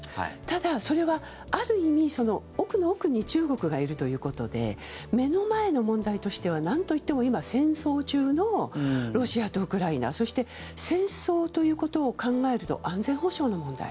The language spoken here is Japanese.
ただ、それはある意味奥の奥に中国がいるということで目の前の問題としてはなんといっても今、戦争中のロシアとウクライナそして戦争ということを考えると安全保障の問題